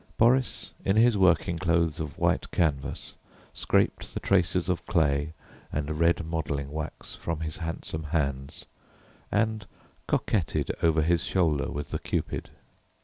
Boris, in his working clothes of white canvas, scraped the traces of clay and red modelling wax from his handsome hands, and coquetted over his shoulder with the Cupid.